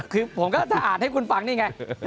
คือผมก็จะอ่านให้คุณฟังนี่ไง